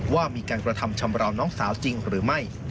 ว่ามีการกระทำชำราวน้องสาวจริงหรือไม่